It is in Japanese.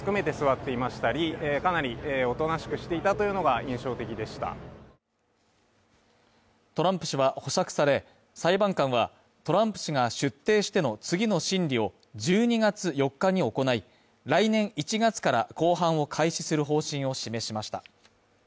裁判を傍聴した記者はトランプ氏は保釈され、裁判官は、トランプ氏が出廷しての次の審理を１２月４日に行い、来年１月から公判を開始する方針を示しました。